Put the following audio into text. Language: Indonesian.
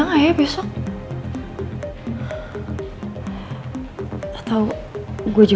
ngerti gitu yaa